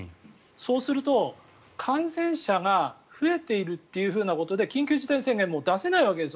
そうすると感染者が増えているということで緊急事態宣言もう出せないわけですよ。